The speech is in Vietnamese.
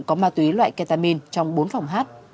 có ma túy loại ketamine trong bốn phòng hát